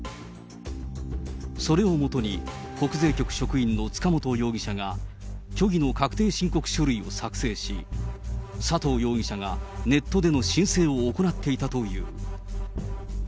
それをもとに、国税局職員の塚本容疑者が、虚偽の確定申告書類を作成し、佐藤容疑者がネットでの申請を行っていたという。